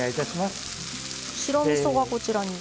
白みそがこちらに。